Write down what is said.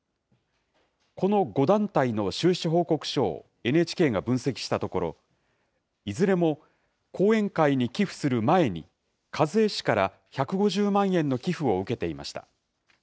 この５団体の収支報告書をＮＨＫが分析したところ、いずれも後援会に寄付する前に、一衛氏から１５０万円の寄付を受けていました。